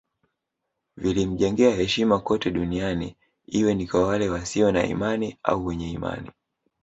Vilimjengea heshima kote duniani iwe ni kwa wale wasio na imani au wenye imani